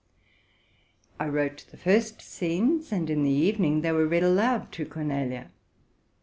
I wrote the first scenes, and in the evening they were read aloud to Cornelia.